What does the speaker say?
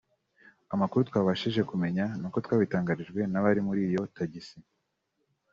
Amakuru twabashije kumenya nk’uko twabitangarijwe n’abari muri iyo tagisi